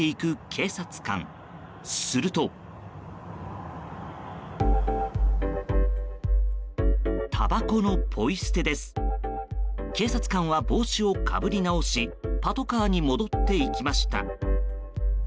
警察官は帽子をかぶり直しパトカーに戻っていきました。